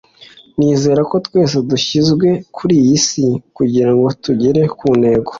nizera ko twese dushyizwe kuri iyi si kugira ngo tugere ku ntego